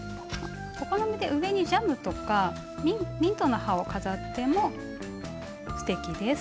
お好みで上にジャムとかミントの葉を飾ってもすてきです。